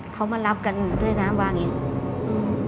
เขามารับกันด้วยนะว่าอย่างนี้